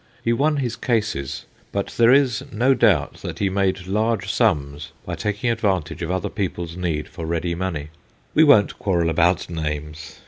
He won his cases, but there is no doubt that he made large sums by taking advantage of other people's need for ready money : we won't quarrel about names.